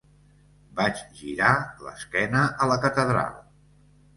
Vaig girar l'esquena a la catedral